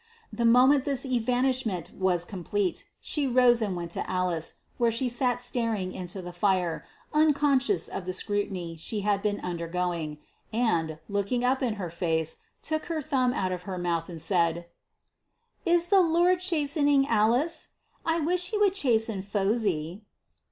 The moment this evanishment was complete, she rose and went to Alice, where she sat staring into the fire, unconscious of the scrutiny she had been undergoing, and, looking up in her face, took her thumb out of her mouth, and said, "Is the Lord chastening Alice? I wish he would chasten Phosy."